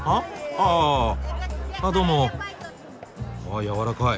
あやわらかい。